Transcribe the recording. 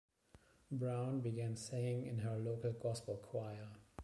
Brown began singing in her local Gospel choir.